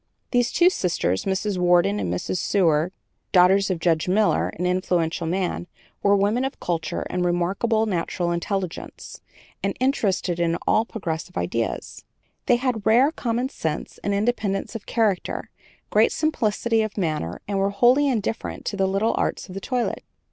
'" These two sisters, Mrs. Worden and Mrs. Seward, daughters of Judge Miller, an influential man, were women of culture and remarkable natural intelligence, and interested in all progressive ideas. They had rare common sense and independence of character, great simplicity of manner, and were wholly indifferent to the little arts of the toilet.